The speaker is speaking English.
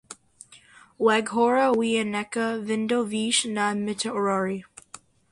Waghora w'ianeka vindo viche na mtorori.